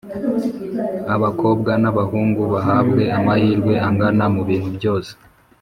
abakobwa n’abahungu bahabwe amahirwe angana mu bintu byose.